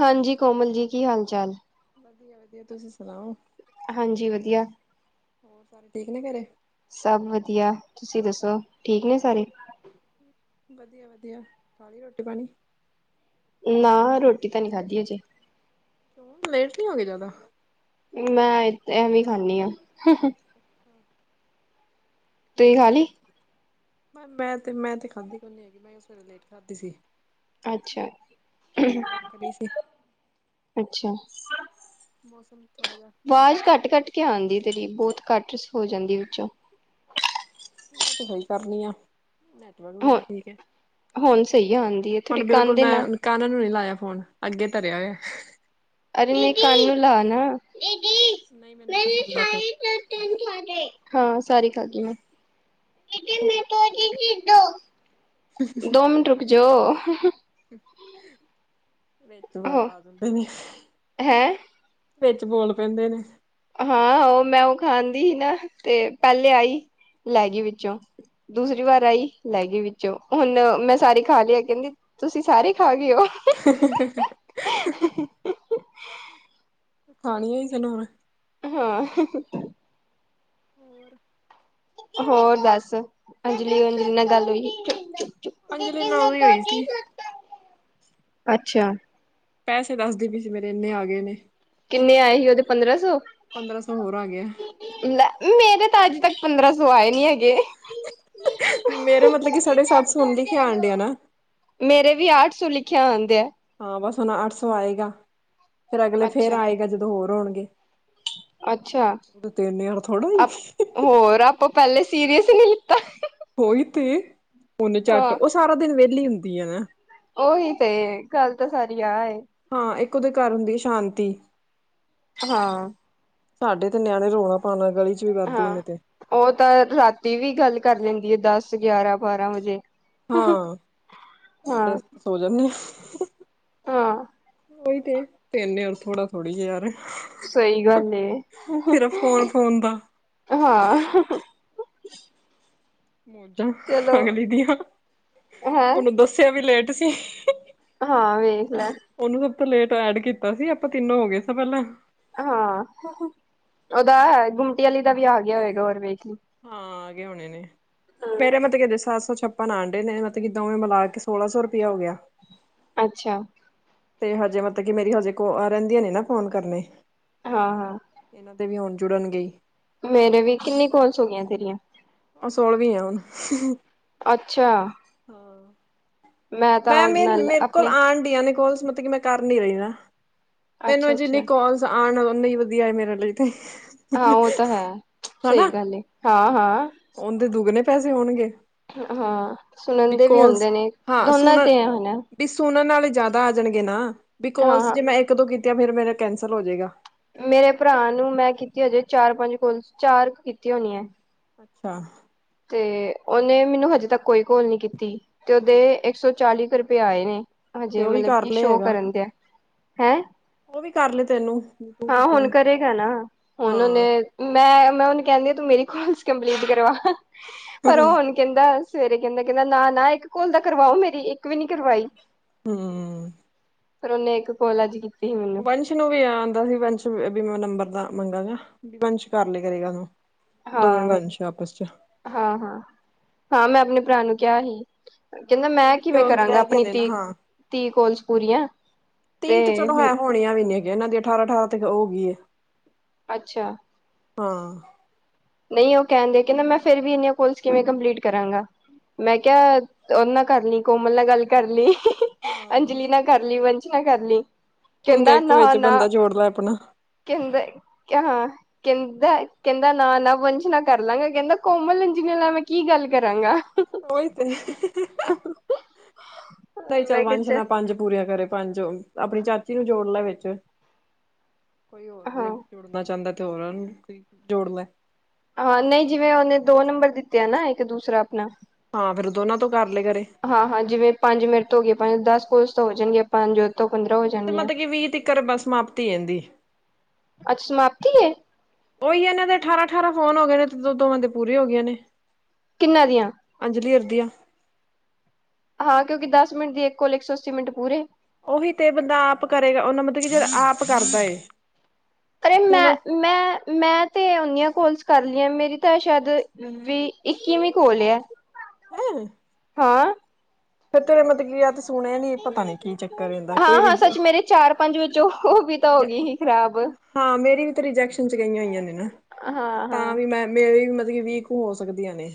ਹਾਂਜੀ ਕੋਮਲ ਜੀ ਕੀ ਹਾਲ ਚਾਲ? ਵਧੀਆ-ਵਧੀਆ ਤੁਸੀਂ ਸੁਣਾਓ। ਹਾਂਜੀ ਵਧੀਆ। ਹੋਰ ਸਾਰੇ ਠੀਕ ਨੇ ਘਰੇ। ਸਭ ਵਧੀਆ ਤੁਸੀਂ ਦੱਸੋ, ਠੀਕ ਨੇ ਸਾਰੇ। ਵਧੀਆ-ਵਧੀਆ ਖਾਲੀ ਲੀ ਰੋਟੀ ਪਾਣੀ। ਨਾ ਰੋਟੀ ਤਾਂ ਨੀ ਖਾਧੀ ਹਜੇ। ਕਿਉਂ ਲੇਟ ਨੀ ਹੋ ਗਏ ਜਾਦਾ। ਮੈਂ ਐਵੇਂ ਹੀ ਖਾਣੀ ਆ। ਅੱਛਾ ਤੁਸੀਂ ਠੀਕ ਹੈ ਖਾ ਜੀ ਲਈ ਮੈਂ ਤੇ ਮੈਂ ਤੇ ਖਾਂਦੀ ਕੋਈ ਨੀ ਹੈਗੀ ਮੈਂ ਸਵੇਰੇ ਲੇਟ ਖਾਦੀ ਸੀ। ਹੁਣ ਭੁੱਖ ਰਹੀ ਸੀ ਅੱਛਾ-ਅੱਛਾ ਮੌਸਮ ਥੋੜਾ ਜਿਹਾ ਵਾਜ਼ ਕੱਟ-ਕੱਟ ਕੇ ਆਦੀ ਕੇ ਏ ਤੇਰੀ ਬਹੁਤ ਘੱਟ ਹੋ ਜਾਂਦੀ ਵਿੱਚੋਂ। ਮੈਂ ਤੇ ਸਹੀ ਕਰਨੀ ਆ। [unintelligible] ਹੁਣ ਮੇਰਾ ਠੀਕ ਹੈ ਹੁਣ ਸਹੀ ਆਉਂਦੀ ਹੈ ਥੋੜੀ ਹੁਣ ਕੰਨ ਬਿਲਕੁਲ ਦੇ ਮੈਂ ਨਾਲ ਕੰਨ ਨੂੰ ਨੀ ਲਾਇਆ ਫੋਨ ਅੱਗੇ ਤਰਿਆ ਹੋਇਐ ਅਰੇ ਨਹੀਂ ਕੰਨ ਨੂੰ ਲਾ ਨਾ ਨਹੀਂ ਮੈਨੂੰ ਤਾਂ ਸੁਣਦਾ ਪਿਆ ਹਾਂ ਸਾਰੀ ਖਾਗੀ ਮੈਂ ਦੋ ਮਿੰਟ ਰੁਕ ਜੋ। ਮੇਨ ਤੋਂ ਆਦਤ ਨੀ ਹੈ। ਹੈ ਵਿੱਚ ਬੋਲ ਪੈਂਦੇ ਨੇ। ਹਾਂ ਉਹ ਮੈਂ ਉਹ ਖਾਂਦੀ ਹੀ ਨਾ ਤੇ ਪਹਿਲੇ ਆਈ ਲੈ ਗਈ ਵਿੱਚੋਂ। ਦੂਸਰੀ ਵਾਰ ਆਈ ਲੈ ਗਈ ਵਿੱਚੋਂ ਹੁਣ ਮੈਂ ਸਾਰੀ ਖਾ ਲੀ ਹੈ ਕਹਿੰਦੀ ਤੁਸੀਂ ਸਾਰੀ ਖਾ ਗਏ ਹੋ। ਹਾ-ਹਾ, ਹਾਂ ਹ ਖਾਣੀਉ ਸੀ ਨਾ ਹੁਣ। ਹਾਂ ਹਹ ਹੋਰ ਹੋਰ ਦੱਸ ਅੰਜਲੀ ਉੰਜਲੀ ਨਾਲ ਗੱਲ ਹੋਈ ਅੰਜਲੀ ਨਾਲ ਵੀ ਹੋਈ ਸੀ ਅੱਛਾ ਪੈਸੇ ਦੱਸਦੀ ਪਈ ਸੀ ਮੇਰੇ ਇੰਨੇ ਆ ਗਏ ਨੇ ਕਿੰਨੇ ਆਏ ਸੀ ਉਹਦੇ ਪੰਦਰਾਂ ਸੌ ਪੰਦਰਾਂ ਸੌ ਹੋਰ ਆ ਗਿਆ। ਲੇ ਮੇਰੇ ਤਾਂ ਅੱਜ ਤੱਕ ਪੰਦਰਾਂ ਸੌ ਆਏ ਨੀ ਹੈਗੇ ਮੇਰੇ ਮਤਲਬ ਕਿ ਸਾਡੇ ਸਤ ਸੋ ਹੁਣ ਲਿਖਿਆ ਆਣ ਡੇਆ ਨਾ ਮੇਰੇ ਵੀ ਅੱਠ ਸੌ ਲਿਖਿਆ ਆਣ ਦੇ ਆ ਹਾਂ ਬਸ ਹੁਣ ਅੱਠ ਸੌ ਆਏਗਾ। ਫਿਰ ਅਗਲੇ ਫੇਰ ਅੱਛਾ ਆਏਗਾ ਜਦੋਂ ਹੋਰ ਹੋਣਗੇ ਅੱਛਾ। ਉਹਦੇ ਤੇ ਇੰਨੇ ਯਾਰ ਥੋੜਾ ਈ ਆਪ ਹੋਰ ਆਪਾਂ ਪਹਿਲੇ ਸੀਰੀਅਸ ਨਹੀਂ ਲਿੱਤਾ ਹੋਈ ਤੇ। ਔ ਨਚਟ ਹਾਂ ਉਹ ਸਾਰਾ ਦਿਨ ਵਿਹਲੀ ਹੁੰਦੀ ਹੈ ਨਾ ਓਹੀ ਤੇ ਗੱਲ ਤਾਂ ਸਾਰੀ ਆ ਏ ਹਾਂ ਇੱਕ ਉਹਦੇ ਘਰ ਹੁੰਦੀ ਏ ਸ਼ਾਂਤੀ ਹਾਂ ਸਾਡੇ ਤੇ ਨਿਆਣੇ ਰੋਲਾ ਪਾਣ ਆਲੇ ਗਲੀ ਚ ਵੀ ਵਾਧੂ ਹਾਂ, ਨੇ ਤੇ ਉਹ ਤਾਂ ਰਾਤੀ ਵੀ ਗੱਲ ਕਰ ਲੈਂਦੀ ਏ ਦਸ, ਗਿਆਰਾਂ, ਬਾਰਾਂ ਵਜੇ ਹਾਂ, ਸਾਡੇ ਹਾਂ, ਸੋ ਜਾਂਨੇ ਹ ਹਾਂ ਓਹੀ ਤੇ। ਤਿੰਨ ਯਾਰ ਥੋੜਾ ਥੋੜ੍ਹੀ ਏ ਯਾਰ ਸਹੀ ਗੱਲ ਏ। ਹ ਸਿਰਫ ਫੋਨ ਹ ਫੋਨ ਦਾ ਹਾਂ ਮੌਜਾਂ। ਚਲੋ ਅਗਲੀ ਦੀਆਂ, ਹੈਂ ਉਨ ਦੱਸਿਆ ਵੀ ਲੇਟ ਸੀ ਹਾਂ ਵੇਖ ਲੈ ਉਹਨੂੰ ਸਭ ਤੋਂ ਲੇਟ ਐਡ ਕੀਤਾ ਸੀ। ਆਪਾਂ ਤਿੰਨੋ ਹੋ ਗਏ ਸਾ ਪਹਿਲਾਂ ਹਾਂ। ਉਹਦਾ ਗੁੰਮਟੀ ਵਾਲੀ ਦਾ ਵੀ ਆ ਗਿਆ ਹੋਏਗਾ ਹੋਰ ਵੇਖ ਲਈ ਹਾਂ ਆਗੇ ਹੋਣੇ ਨੇ। ਮੇਰੇ ਮ ਤ ਕਿ ਸਾਤ ਸੋ ਛ ਆਪਾਂਡੇ ਨੇ ਮਤਲਬ ਕਿ ਦੋਵੇਂ ਮਿਲਾ ਕੇ ਸੋਲਾਂ ਸੌ ਰੁਪਇਆ ਹੋ ਗਿਆ ਅੱਛਾ। ਤੇ ਹਜੇ ਮਤਲਬ ਕਿ ਮੇਰੀ ਹਜੇ ਕੋ ਰਹਿੰਦੀਆਂ ਨੇ ਨਾ ਫ਼ੋਨ ਕਰਨੇ ਹਾਂ-ਹਾਂ। ਇਹਨਾਂ ਤੇ ਵੀ ਹੁਣ ਜੁੜਨ ਗਈ ਮੇਰੇ ਵੀ ਕਿੰਨੀ ਕੋਲਸ ਹੋ ਗਈਆਂ ਤੇਰੀਆਂ ਓਹ ਸੋ ਗੀ ਐ ਹੁਣ ਅੱਛਾ। ਹਾਂ ਤਾਂ ਮੈਂ ਮ ਉਹਦੇ ਨਾਲ ਮੇਰੇ ਕੋਲ ਆਪਣੇ ਆਂਡਿਆਂ ਨੇ ਕੋਲਸ ਮਤਲਬ ਕਿ ਮੈਂ ਕਰ ਨੀ ਰਹੀ ਨਾ ਮੈਨੂੰ ਜਿੰਨੀ ਅੱਛਾ-ਅੱਛਾ। ਕੋਲਸ ਆਉਣ ਓਨਾ ਈ ਵਧੀਆ ਮੇਰੇ ਲਈ ਤੇ ਹਾਂ ਉਹ ਤਾਂ ਹੈ। ਸਹੀ ਗੱਲ ਏ ਹਾਂ-ਹਾਂ ਉਨਦੇ ਦੁੱਗਣੇ ਪੈਸੇ ਹੋਣਗੇ ਹਾਂ ਸੁਣਨ ਦੇ ਵੀ ਬਿਕੋਜ਼ ਹੁੰਦੇ ਨੇ ਹਾਂ ਦੋਨਾਂ ਸੁਣਨ ਤੇ ਹੋਨਾ। ਵੀ ਸੁਣਨ ਨਾਲੇ ਜ਼ਿਆਦਾ ਆ ਜਾਣਗੇ ਨਾ। ਵੀ ਹਾਂ ਕੋਲਸ ਹਾਂ ਜੇ ਮੈਂ ਇੱਕ ਦੋ ਕੀਤੀਆਂ ਫਿਰ ਮੇਰਾ ਕੈਂਸਲ ਹੋ ਜੇਗਾ। ਮੇਰੇ ਭਰਾ ਨੂੰ ਮੈਂ ਕੀਤੀ ਹਜੇ ਚਾਰ ਪੰਜ ਕੋਲਸ ਚਾਰ ਕੀਤੀ ਹੋਣੀ ਹੈ। ਅੱਛਾ ਤੇ ਓਹਨੇ ਮੈਨੂੰ ਹਜੇ ਤੱਕ ਕੋਈ ਕੋੋਲ ਨੀ ਕੀਤੀ। ਤੇ ਉਹਦੇ ਇੱਕ ਸੌ ਚਾਲੀ ਕੁ ਰੁਪਏ ਆਏ ਨੇ ਤੇ ਹਜੇ ਉਹ ਵੀ ਮਤਲਬ ਕਰ ਕਿ ਲਏ ਸ਼ੋਅ ਹੈਗਾ ਕਰਨ ਦੇ ਆ। ਹੈਂ ਉਹ ਵੀ ਕਰ ਲਏ ਤੈਨੂੰ ਹਾਂ ਕੀਤੀਆਂ ਹੁਣ ਨੇ ਕਰੇਗਾ ਨਾ। ਹੁਣ ਉਹਨੇ ਹਾਂ ਮੈਂ-ਮੈਂ ਉਹਨੂੰ ਕਹਿੰਦੀ ਹਾਂ ਤੂੰ ਮੇਰੀ ਕੋਲਸ ਕੰਪਲੀਟ ਕਰਵਾ। ਪਰ ਉਹ ਹੂੰ ਹੁਣ ਕਹਿੰਦਾ ਸਵੇਰੇ ਕਹਿੰਦਾ-ਕਹਿੰਦਾ ਨਾ-ਨਾ ਇੱਕ ਕੋਲ ਤਾ ਕਰਵਾਓ ਮੇਰੀ। ਇੱਕ ਵੀ ਨੀ ਕਰਵਾਈ ਹਮ ਫਿਰ ਉਹਨੇ ਇੱਕ ਕੋਲ ਅਜ ਕੀਤੀ ਹੁਣ ਵੰਸ਼ ਵੀ ਆ ਆਂਦਾ ਸੀ ਵਸ਼ ਵੀ ਮੈਂ ਨੰਬਰ ਦਾ ਮੂੰਡਾ ਵੀ ਵਸ਼ ਕਰ ਲੇ ਕਰੇਗਾ ਤਨੂੰ ਦੋਵੇਂ ਹਾਂ ਵੰਸ਼ ਆਪਸ ਚ ਹਾਂ-ਹਾਂ- ਹਾਂ ਮੈਂ ਆਪਣੇ ਭਰਾ ਨੂੰ ਕਿਹਾ ਸੀ। ਕਹਿੰਦਾ ਹਾਂ ਮੈਂ ਕਿਵੇਂ ਉਹ ਦੀ ਕਰਾਂਗਾ ਰਹਿ ਗਈਆਂ ਆਪਣੀ ਨੇ ਨਾ ਹਾਂ ਤੀਹ-ਤੀਹ ਕੋਲਸ ਪੂਰੀਆਂ। ਤੀਹ ਤੇ ਚਲੋ ਹੈ ਹੋਣੀਆਂ ਵੀ ਨੀ ਹੈਗੇ ਇਹਨਾਂ ਦੀ ਅਠਾਰਾਂ -ਅਠਾਰਾਂ ਤੇ ਹੋ ਗਈ ਹੈ। ਅੱਛਾ ਹਾਂ। ਨਹੀਂ ਉਹ ਕਹਿੰਦੇ ਕਹਿੰਦਾ ਮੈਂ ਫਿਰ ਵੀ ਇਨ ਕੋਲਸ ਕਿਵੇਂ ਕੰਪਲੀਟ ਕਰਾਂਗਾ। ਮੈਂ ਕਿਹਾ ਉਹਨਾਂ ਕਰ ਲਈ ਕੋਮਲ ਨਾਲ ਗੱਲ ਕਰ ਲਈ। [inaudible] ਹਾਂ ਅੰਜਲੀ ਨਾ ਕਰ ਲਈ ਵੰਸ਼ ਨਾ ਕਰ ਲਈ। ਹੁਣ ਕਹਿ ਕਹਿੰਦਾ ਇੱਕ ਵਿੱਚ ਨਾ-ਨਾ ਬੰਦਾ ਜੋੜ ਲੈ ਆਪਣਾ ਕਹਿੰਦਾ ਹਾਂ ਕਹਿੰਦਾ, -ਕਹਿੰਦਾ ਨਾ -ਨਾ ਵੰਸ਼ ਨਾਲ ਕਰ ਲਾਂਗਾ ਕਹਿੰਦਾ ਕੋਮਲ ਜੀ ਨਾਲ ਮੈਂ ਕੀ ਗੱਲ ਕਰਾਂਗਾ। ਉਈ ਤੇ [inaudible] ਚਲ ਮੈਂ ਕਿਹਾ ਵੰਸ਼ ਚ ਨਾਲ ਪੰਜ ਪੂਰੀ ਹੋ ਗਏ ਕਰੇ ਪੰਜ ਉਹ ਆਪਣੀ ਚਾਚੀ ਨੂੰ ਜੋੜ ਲੈ ਵਿੱਚ ਕੋਈ ਹੋਰ ਜੇ ਹਾਂ ਜੋੜਨਾ ਚਾਹੁੰਦਾ ਤੇ ਹੋਰ ਨੂੰ ਜੋੜ ਲੈ ਹਾਂ ਨਹੀਂ ਜਿਵੇਂ ਉਹਨੇ ਦੋ ਨੰਬਰ ਦਿੱਤੇ ਆ ਨਾ ਇੱਕ ਦੂਸਰਾ ਆਪਣਾ ਹਾਂ ਫੇਰ ਦੋਨਾਂ ਤੋਂ ਕਰ ਲਏ ਕਰੇ। ਹਾਂ-ਹਾਂ ਜਿਵੇਂ ਪੰਜ ਮਿੰਟ ਤੋਂ ਹੋ ਗਏ ਪੰਜ ਦਸ ਕੋਲਸ ਤਾਂ ਹੋ ਜਾਣਗੀਆਂ। ਪੰਜ ਤੋਂ ਪੰਦਰਾਂ ਹੋ ਜਾਣਗੀਆਂ ਮਤਲਬ ਕਿ ਵੀਹ ਤੀਕਰ ਬਸ ਸਮਾਪਤੀ ਐਂਦੀ। ਅੱਜ ਸਮਾਪਤੀ ਹੈ। ਉਹੀ ਨੇ ਤੇ ਅਠਾਰਾਂ -ਅਠਾਰਾਂ ਫੋਨ ਹੋ ਗਏ ਨੇ ਤੇ ਦੋ- ਦੋ ਬੰਦੇ ਪੂਰੇ ਹੋ ਗਏ ਨੇ। ਕਿੰਨਾਂ ਦੀਆਂ ਅੰਜਲੀ ਅਰਦੀਆ ਹਾਂ ਕਿਉਂਕਿ ਦੱਸ ਮਿੰਟ ਦੀ ਇੱਕ ਕੋਲ ਇੱਕ ਸੌ ਅੱਸੀ ਮਿੰਟ ਪੂਰੇ ਉਹੀ ਤੇ ਬੰਦਾ ਆਪ ਕਰੇਗਾ ਉਹਨਾ ਮਤਲਬ ਕਿ ਜਿਹੜਾ ਆਪ ਕਰਦਾ ਏ ਅਰੇ ਹੁਣ ਮੈਂ ਮੈਂ -ਮੈਂ ਤੇ ਓਨੀਆਂ ਕੋਲਸ ਕਰ ਲਈਆਂ ਮੇਰੀ ਤਾਂ ਸ਼ਾਇਦ ਵੀ ਇੱਕੀ ਵੀਂ ਕੋਲ ਐ। ਹੂੰ ਹਾਂ। ਫਿਰ ਤੇਰੇ ਮਤਲਬ ਕੀ ਆ ਸੁਣਿਆ ਨੀ ਪਤਾ ਨੀ ਕੀ ਚੱਕਰ ਇਹਦਾ ਕੋਈ ਹਾਂ ਹਾਂ [inaudible] ਸੱਚ ਮੇਰੇ ਚਾਰ ਪੰਜ ਵਿੱਚ ਉਹ ਵੀ ਤਾਂ ਹੋ ਗਈ ਸੀ ਖ਼ਰਾਬ ਹਾਂ ਮੇਰੀ ਵੀ ਤਾਂ ਰਿਜੈਕਸ਼ਨ 'ਚ ਗਈਆਂ ਹੋਈਆਂ ਨੇ ਨਾ ਹਾਂ ਤਾਂ ਹਾਂ ਵੀ ਮੈਂ ਮੇਰੇ ਵੀ ਮਤਲਬ ਵੀਹ ਕੁ ਹੋ ਸਕਦੀਆਂ ਨੇ।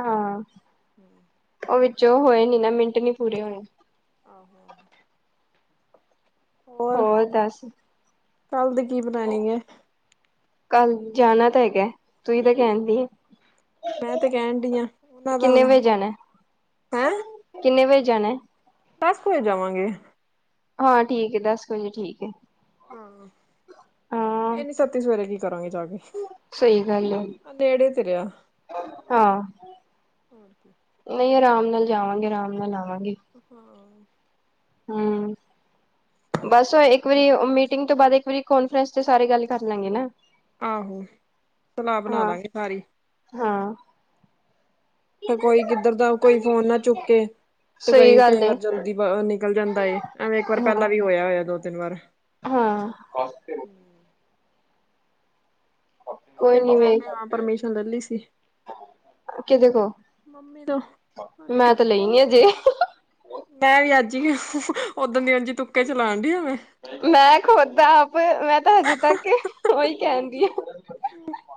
ਹਾਂ ਉਹ ਵਿੱਚੋਂ ਹੋਏ ਨੀ ਨਾ ਮਿੰਟ ਨੀ ਪੂਰੇ ਹੋਏ। ਆਹੋੋ। ਹੋਰ ਕੱਲ ਦੀ ਕੀ ਪਲਾਨਿੰਗ ਹੈ। ਕੱਲ ਜਾਣਾ ਤਾਂ ਹੈਗਾ ਤੁੂੰਂ ਤਾਂ ਕਹਿੰਦੀ ਆ। ਮੈਂ ਤੇ ਕਹਿਣ ਦੀ ਹਾਂ ਉਹਨਾਂ ਦਾ ਕਿੰਨੇ ਹੁਣ ਵਜੇ ਜਾਣਾ ਹੈਂ? ਕਿੰਨੇ ਵਜੇ ਜਾਣਾ? ਦੱਸ ਕ ਵਜੇ ਜਾਵਾਂਗੇ। ਹਾਂ ਠੀਕ ਹੈ ਦੱਸ ਕੁ ਵਜੇ ਠੀਕ ਏ। ਹਾਂ ਏਨੀ ਸਤੀ ਸਵੇਰੇ ਕੀ ਕਰਾਂਗੇ ਜਾ ਕੇ ਸਹੀ ਗੱਲ ਹੈ ਨੇੜੇ ਤੇ ਰਿਹਾ। ਹਾਂ। ਹੋਰ ਕੀ। ਨਹੀਂ ਆਰਾਮ ਨਾਲ ਜਾਵਾਂਗੇ ਆਰਾਮ ਨਾਲ ਆਵਾਂਗੇ। ਹਾਂ। ਹਾਂ। ਬਸ ਇੱਕ ਵਾਰੀ ਮੀਟਿੰਗ ਤੋਂ ਬਾਅਦ ਇੱਕ ਵਾਰੀ ਕਨਫਰੰਸ ਤੇ ਸਾਰੇ ਗੱਲ ਕਰ ਲਾਂਗੇ ਨਾ। ਆਹੋ ਸਲਾਹ ਬਣਾ ਹਾਂ ਲਾਂਗੇ ਸਾਰੀ ਹਾਂ। ਤੇ ਕੋਈ ਕਿੱਧਰ ਦਾ ਕੋਈ ਫੋਨ ਨਾ ਚੁੱਕੇ। ਤੇ ਸਹੀ ਕਈ ਗੱਲ ਕਈ ਹੈ ਵਾਰ ਜਲਦੀ ਨਿਕਲ ਜਾਂਦਾ ਏ ਐਵੇਂ ਇੱਕ ਵਾਰ ਹਾਂ ਪਹਿਲਾਂ ਵੀ ਹੋਇਆ ਹੋਇਆ ਦੋ ਤਿੰਨ ਵਾਰ। ਹਾਂ। ਹੂੰ। ਤੇ ਕੋਈ ਨੀ ਮੈਂ ਵੇ ਤੇ ਹਾਂ ਪਰਮਿਸ਼ਨ ਲੈ ਲਈ ਸੀ। ਕਿਦੇ ਕੋਲ ਮੰਮੀ ਤੋਂ ਮੈਂ ਤੇ ਲਈ ਨੀ ਅਜੇ। ਮੈਂ ਵੀ ਅੱਜ ਈ ਆ ਓਦਣ ਦੀ ਅਜ ਤੁੱਕੇ ਚਲਾਉਣ ਡਈ ਆ ਮੈਂ। ਮੈਂ ਖੁਦ ਆ ਆਪ ਮੈਂ ਤਾਂ ਹਜੇ ਤੱਕ ਉਹੀ ਕਹਿਣ ਡਈ ਹਾਂ।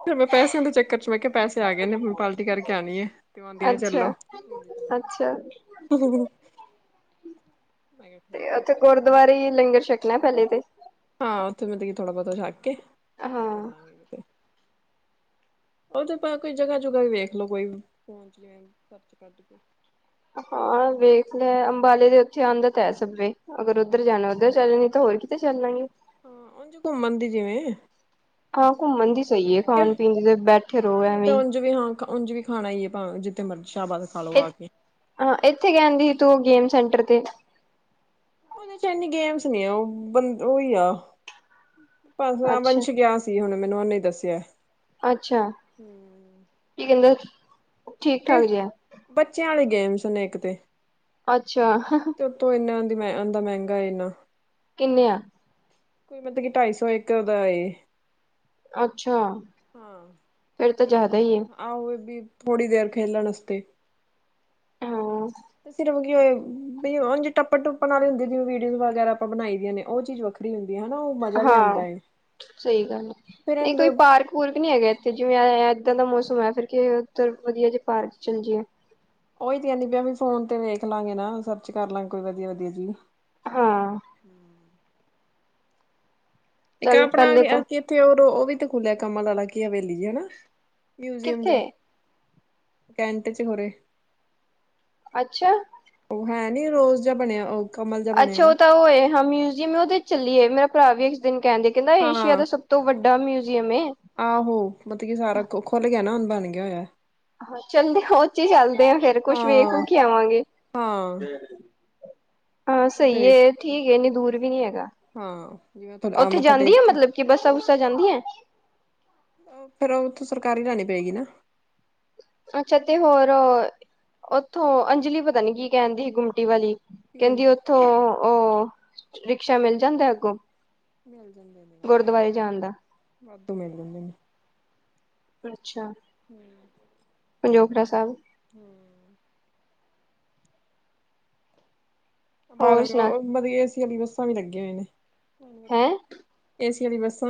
ਤੇ ਮੈਂ ਪੈਸਿਆਂ ਦੇ ਚੱਕਰ ਚ ਮੈਂ ਕਿਹਾ ਪੈਸੇ ਆ ਗਏ ਨੇ ਪਾਰਟੀ ਕਰਕੇ ਆਉਣੀ ਹੈ। ਆਉਂਦੀ ਨੇ ਅੱਛਾ, ਚੱਲੋ। ਅੱਛਾ। ਹਮ। ਤੇ ਏ ਉੱਥੇ ਗੁਰਦੁਆਰੇ ਹੀ ਲੰਗਰ ਛਕਣਾ ਪਹਿਲੇ ਤੇ। ਹਾਂ ਉੱਥੇ ਮਤਲਬ ਕਿ ਥੋੜਾ ਬਹੁਤਾ ਛੱਕ ਕੇ। ਹਾਂ, ਉਹ ਤੇ ਕੋਈ ਜਗ੍ਹਾ ਜੁਗਾਾ ਵੀ ਵੇਖਲੋ ਕੋਈ ਖਰਚ ਕੱਢ ਕੇ। ਹਾਂ ਵੇਖ ਲਿਆ ਅੰਬਾਲੇ ਦੇ ਉੱਥੇ ਆਉਦਾ ਤਾਂ ਹੈ ਸਭ ਵੈ। ਅਗਰ ਉੱਧਰ ਜਾਣਾ ਉੱਧਰ ਚੱਲੇ ਨਹੀਂ ਤਾਂ ਹੋਰ ਕਿਤੇ ਚੱਲਾਗੇ। ਉੰਝ ਘੁੰਮਣ ਦੀ ਜਿਵੇਂ। ਹਾਂ ਘੁੰਮਣ ਦੀ ਸਹੀ ਹੈ ਕਿਉਂਕਿ ਖਾਣ ਪੀਣ ਦੇ ਤੇ ਬੈਠੇ ਰਹੋ ਐਵੇਂ। ਉਝ ਵੀ ਖਾਣਾ ਈ ਏ ਭਾਵੇਂ ਜਿੱਥੇ ਮਰਜ਼ੀ ਸ਼ਾਬਾਦ ਖਾਲੋ ਆ ਕੇ। ਹਾਂ ਇੱਥੇ ਕਿੰਹਦੀ ਸੀ ਤੂੰ ਗੇਮ ਸੈਂਟਰ ਤੇ। ਉਹਦੇ ਚ ਇਨੀ ਗੇਮਸ ਨੀ ਉਹ ਬੰਦ ਹੀ ਉਹ ਵੀ ਆ ਅੱਛਾ, ਵੰਸ਼ ਗਿਆ ਸੀ। ਹੁਣ ਮੈਨੂੰ ਉਹਨੇ ਦੱਸਿਆ। ਅੱਛਾ ਹੂੰ ਕੀ ਕਹਿੰਦੇ ਠੀਕ ਠਾਕ ਜਿਹਾ। ਬੱਚਿਆਂ ਵਾਲੇ ਗੇਮਸ ਨੇ ਇੱਕ ਤੇ। ਅੱਛਾ। ਤੇ ਉੱਤੋਂ ਇਨਾ ਅੰਦਰ ਮਹਿੰਗਾ ਇੰਨਾ। ਕਿੰਨੇ ਆ। ਤੇ ਮਤਲਬ ਕੀ ਢਾਈ ਸੌ ਇਕ ਦਾ ਏ। ਅੱਛਾ, ਹਾਂ ਫਿਰ ਤਾਂ ਕਿ ਜ਼ਿਆਦਾ ਹੀ ਹੈ। ਆਹੋ ਏ ਵੀ ਥੋੜ੍ਹੀ ਦੇਰ ਖੇਲਣ ਵਾਸਤੇ। ਹਾਂ। ਤੇ ਸਿਰਫ ਕੀ ਹੋੇ ਟੱਪੜ ਟੁਪ ਵਾਲੀ ਹੁੰਦੀ ਵੀਡੀਓਜ਼ ਵਗੈਰਾ ਆਪਾਂ ਬਣਾਈ ਦੀਆਂ ਨੇ ਉਹ ਚੀਜ਼ ਵੱਖਰੀ। ਹੁੰਦੀ ਹੈ। ਮਜ਼ਾ ਵੀ ਆਉਂਦਾ ਹਾਂ ਹੈ। ਸਹੀ ਗੱਲ ਹੈ ਫੇਰ ਨਹੀਂ ਕੋਈ ਪਾਰਕ। ਪੁਰਕ ਵੀ ਨਹੀਂ ਹੈਗਾ ਇੱਥੇ ਜਿਵੇਂ ਇੱਦਾਂ ਦਾ ਮੌਸਮ ਹੈ ਕੀ ਉੱਧਰ ਵਧੀਆ ਜਿਹੇ ਪਾਰਕ ਚੱਲ ਜੀਏ। ਉਹੀ ਤੇ ਆਦੀ ਪਈ ਆ ਵੀ ਫੋਨ ਤੇ ਵੇਖ ਲਾਂਗੇ ਨਾ ਸਰਚ ਕਰ ਲਾਂਗੇ ਕੋਈ ਵਧੀਆ ਵਧੀਆ ਜੀ। ਹਾਂ। ਇੱਕ ਚੱਲ ਆਪਣਾ ਪਹਿਲੇ ਤਾਂ ਇੱਥੇ ਉਹ ਵੀ ਤੇ ਖੁੱਲਿਆ ਕਮਲ ਵਾਲਾ ਕੀ ਹਵੇਲੀ ਜਿਹੀ ਹੈ ਨਾ। ਮਿਊਜ਼ੀਅਮ ਕਿੱਥੇ ਜਾ ਕੈਂਟ 'ਚ ਹੋਰੇ। ਅੱਛਾ। ਉਹ ਹੈ ਨੀ ਰੋਜ਼ ਜਿਹਾ ਬਣਿਆ ਉਹ। ਕਮਲ ਜਿਹਾ ਬਣਿਆ ਅੱਛਾ ਉਹ ਤਾਂ ਉਹ ਹੈ ਹਾਂ ਮਿਊਜ਼ੀਅਮ ਉਹਦੇ ਵਿੱਚ ਚੱਲੀਏ ਹੈ ਮੇਰਾ ਭਰਾ ਵੀ ਇੱਕ ਦਿਨ ਕਹਿੰਦਾ। ਕਹਿੰਦਾ ਏਸ਼ੀਆ ਹਾਂ ਦਾ ਸਭ ਤੋਂ ਵੱਡਾ ਮਿਊਜ਼ੀਅਮ ਹੈ। ਆਹੋ ਮਤਲਬ ਕੀ ਸਾਰਾ ਕੁ ਖੁੱਲ ਗਿਆ ਨਾ ਹੁਣ ਬਣ ਗਿਆ ਹੋਇਆ। ਚੱਲਦੇ ਉਸੱ ਚ ਹੀ ਚੱਲਦੇ ਆ ਫੇਰ ਕੁਛ ਵੇਖ ਹਾਂ ਵੁਖ ਹੀ ਆਵਾਂਗੇ। ਹਾਂ ਦੇਖ ਲੇ। ਹਾਂ ਉਹਦੇ ਸਹੀ ਵਿੱਚ ਹੈ, ਠੀਕ ਏ ਇਨੀ ਦੂਰ ਵੀ ਨਹੀਂ ਹੈਗਾ ਹਾਂ ਜਿਵੇਂ ਤੁਹਾਡਾ ਆ ਉੱਥੇ ਮੱਥਾ ਜਾਂਦੀ ਟੇਕ ਆ ਕੇ ਮਤਲਬ। ਕਿ ਬੱਸਾਂ ਬੁੱਸਾਂ ਜਾਂਦੀਆਂ। ਫੇਰ ਉਹ ਥੋਂ ਸਰਕਾਰੀ ਲੈਣੀ ਪਏਗੀ ਨਾ। ਅੱਛਾ ਤੇ ਹੋਰ ਉੱਥੋਂ ਅੰਜਲੀ ਪਤਾ ਨੀ ਕੀ ਕਹਿਣ ਦੀ ਸੀ ਗੁੰਮਟੀ ਵਾਲੀ। ਪੀਐਮ ਕਹਿੰਦੀ ਉੱਥੋਂ ਉਹ ਰਿਕਸ਼ਾ ਮਿਲ ਜਾਂਦਾ ਅੱਗੋਂ। ਮਿਲ ਜਾਂਦੇ। ਗੁਰਦੁਆਰੇ ਜਾਣ ਦਾ। ਵੱਧੂ ਮਿਲ ਲੈਂਦੇ ਮੈਨੂੰ। ਅੱਛਾ। ਹਮ ਪੰਜੋਪੜਾ ਸਾਹਿਬ [inaudible] ਹੋਰ ਸੁਣਾ ਬਾਹਰੋਂ ਵਧੀਆ ਏਸੀ ਵਾਲੀ ਬੱਸਾਂ ਵੀ ਲੱਗੀਆਂ ਹੋਈਆਂ ਨੇ। ਹੈਂ ਬੱਸਾਂ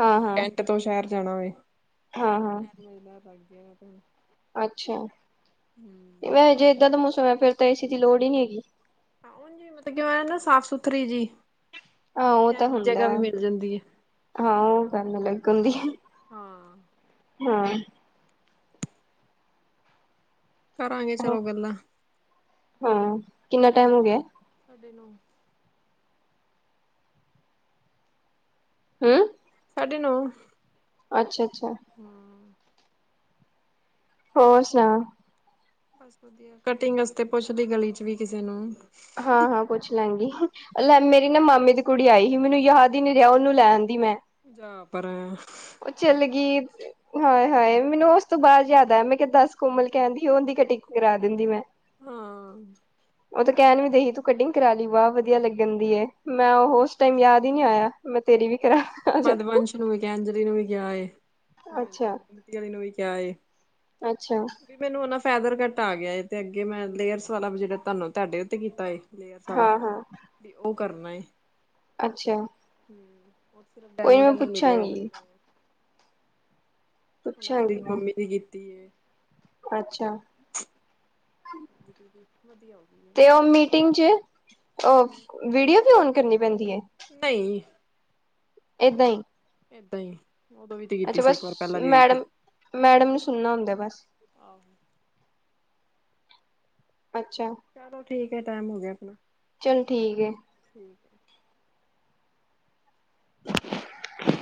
ਹਾਂ ਜਿਵੇਂ ਹਾਂ ਕੈਟ ਤੋਂ ਸ਼ਹਿਰ ਜਾਣਾ ਹੋਵੇ। [inaudible] ਹਾਂ ਹਾਂ ਅੱਛਾ ਹੂੰ ਵੈਸ ਜੇ ਏਦਾਂ ਦਾ ਮੌਸਮ ਹੈ ਫੇਰ ਤਾਂ ਏੇਸੀ ਦੀ ਲੋੜ ਹੀ ਨਹੀ ਹੈਗੀ। ਸਾਫ਼ ਸੁਥਰੀ ਜੀ ਹਾਂ ਉਹ ਤਾਂ ਹੁੰਦਾ ਜਗ੍ਹਾ ਵੀ ਮਿਲ ਜਾਂਦੀ ਹੈ। ਹਾਂ ਉਹ ਕਰਨ ਲੱਗਣ ਹੁੰਦੀ ਹੈ। ਹਾਂ। ਹਾਂ। ਕਰਾਂਗੇ ਚਲੋ ਗੱਲਾਂ। ਹਾਂ ਕਿੰਨਾ ਟਾਈਮ ਹੋ ਗਿਆ। ਸਾਡੇ ਨੋ ਹਮ [inaudible] ਅੱਛਾ ਅੱਛਾ ਹਾਂ ਹੋਰ ਸੁਣਾਓ ਬਸ ਵਧੀਆ ਕਟਿੰਗ ਵਾਸਤੇ ਪੁੱਛਦੀ ਗਲੀ ਵਿਚ ਵੀ ਕਿਸੇ ਨੂੰ ਹਾਂ ਹਾਂ ਪੁੱਛ ਲਾਗੀ। ਲੈ ਮੇਰੀ ਨਾ ਮਾਮੇ ਦੀ ਕੁੜੀ ਆਈ ਸੀ ਮੈਨੂੰ ਯਾਦ ਹੀ ਨਹੀਂ ਰਿਹਾ ਓਹਨੂੰ ਲਾਉਂਦੀ ਮੈਂ ਜਾ ਪਰ ਚੱਲ ਗਈ। ਹਾਏ ਹਾਏ ਮੈਨੂੰ ਉਸ ਤੋਂ ਬਾਅਦ ਯਾਦ ਆਇਆ ਮੈਂ ਦਸ ਕੋਮਲ ਕਹਿਣਦੀ ਉਹਦੀ ਕੱਤਿੰਗ ਕਰਾ ਦਿੰਦੀ ਮੈਂ ਹਾਂ ਉਹ ਤੇ ਕਹਿਣ ਵੀ ਦੇਹੀ ਤੂੰ ਕਟਿੰਗ ਕਰਾ ਲਈ ਵ ਵਧੀਆ ਲੱਗਣ ਦੀ ਮੈਂ ਉਹ ਉਸ ਟਾਈਮ ਯਾਦ ਹੀ ਨੀ ਆਇਆ। ਮੈਂ ਤੇਰੀ ਵੀ ਕਰਾ ਪਦਵੰਸ਼ ਨੂੰ ਵੀ ਕਿਹਾ ਅੰਜਲੀ ਨੂੰ ਵੀ ਕਿਹਾ ਅੱਛਾ-ਅੱਛਾ ਮਤੀਲੀ ਨੂੰ ਵੀ ਕਿਹਾ ਅੱਛਾ ਵੀ ਮੈਨੂੰ ਉਹਨਾ ਫੈਦਰ ਕਟ ਆ ਗਿਆ ਏ ਤੇ ਅੱਗੇ ਮੈਂ ਲੇਅਰਸ ਵਾਲਾ ਵੀ ਜਿਹੜਾ ਤੁਹਾਨੂੰ ਤੁਹਾਡੇ ਉੱਥੇ ਕੀਤਾ ਹੈ। ਪਰ ਸਾਰਾ ਹਾਂ ਹਾਂ ਤੇ ਉਹ ਕਰਨਾ ਏ ਅੱਛਾ ਕੋਈ ਨੀ ਡੈਮੋ ਮੈਂ ਡੈਮੋ ਮਿਲਿਆ ਹੈ ਨਾ। ਪੁੱਛਾਂਗੀ-ਪੁੱਛਾਂਗੀ ਮੈਂ ਮੰਮੀ ਦੀ ਕੀਤੀ ਹੈ। ਅੱਛਾ [inaudible] ਵਧੀਆ ਹੋ ਗਈ। ਤੇ ਉਹ ਮੀਟਿੰਗ ਚ ਏ। ਵੀਡੀਓ ਵੀ ਓਨ ਕਰਨੀ ਪੈਂਦੀ ਹੈ ਨਹੀਂ ਏਦਾਂ ਹੀ ਏਦਾਂ ਹੀ ਉਦੋਂ ਵੀ ਦੇਤੀ ਅੱਛਾ ਸੀ ਬਸ ਇੱਕ ਵਾਰ ਪਹਿਲਾਂ ਵੀ ਆਈ ਸੀ। ਮੈਡਮ ਮੈਡਮ ਨੂੰ ਸੁਣਨਾ ਹੁੰਦਾ ਬਸ ਆਹੋ। ਅੱਛਾ ਚਲੋ ਠੀਕ ਹੈ ਟਾਈਮ ਹੋ ਗਿਆ ਚਲ ਠੀਕ ਹੈ [inaudible] [inaudible]